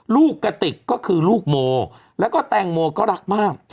กะติกก็คือลูกโมแล้วก็แตงโมก็รักมาก